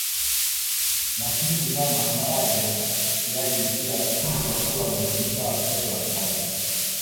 Mahindi na maharage Siagi pia ni chakula muhimu cha watoto wachanga